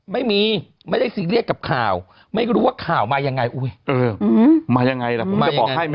ไม่ได้ซีเรียสกับข่าวไม่รู้ว่าข่าวมายังไงมายังไงล่ะผมจะบอกให้ไหม